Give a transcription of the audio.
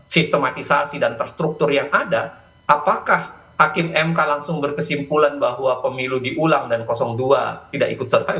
sistematisasi dan terstruktur yang ada apakah hakim mk langsung berkesimpulan bahwa pemilu diulang dan dua tidak ikut serta